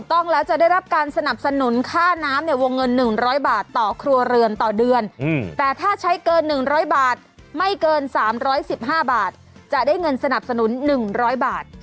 ต้องแล้วจะได้รับการสนับสนุนค่าน้ำเนี่ยวงเงิน๑๐๐บาทต่อครัวเรือนต่อเดือนแต่ถ้าใช้เกิน๑๐๐บาทไม่เกิน๓๑๕บาทจะได้เงินสนับสนุน๑๐๐บาท